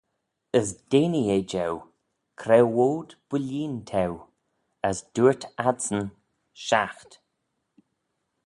As denee eh jeu, Cre-woad bwilleen t'eu? As dooyrt adsyn, Shiaght.